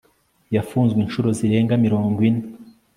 Yafunzwe inshuro zirenga mirongo ine